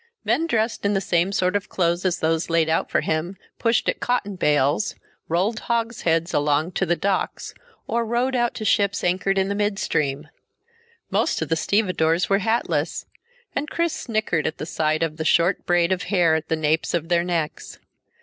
Men dressed in the same sort of clothes as those laid out for him pushed at cotton bales, rolled hogsheads along to the docks, or rowed out to ships anchored in midstream. Most of the stevedores were hatless, and Chris snickered at the sight of the short braid of hair at the napes of their necks.